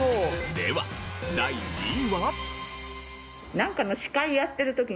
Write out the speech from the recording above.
では第２位は？